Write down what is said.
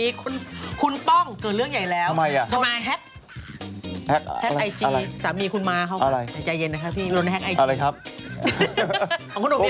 มีคุณป้องเกิดเรื่องใหญ่แล้วทำไมแฮ็กสามีคุณมาเข้ามาใจเย็นนะครับพี่โดนแฮ็กไอจี